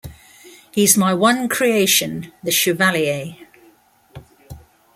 He's my one creation, the Chevalier.